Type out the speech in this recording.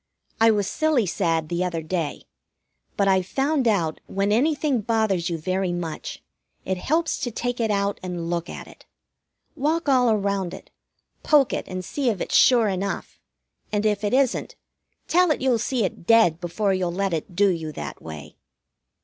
I was silly sad the other day; but I've found out when anything bothers you very much, it helps to take it out and look at it. Walk all around it, poke it and see if it's sure enough, and, if it isn't, tell it you'll see it dead before you'll let it do you that way.